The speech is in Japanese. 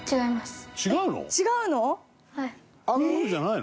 違うの？